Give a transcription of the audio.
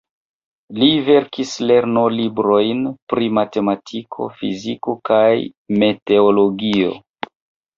Li verkis lernolibrojn pri matematiko, fiziko kaj meteologio.